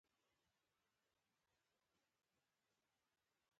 او هغه ورته وائي چې دشمن تباه کړے ئې